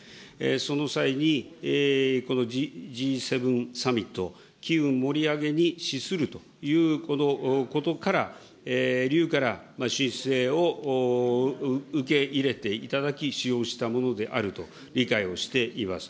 その際に、このＧ７サミット機運盛り上げに資するということから、理由から申請を受け入れていただき、使用したものであると理解をしています。